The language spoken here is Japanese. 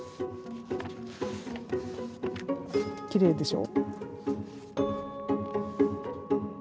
きれいでしょ。